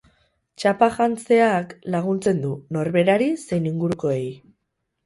Txapa janzteak laguntzen du, norberari zein ingurukoei.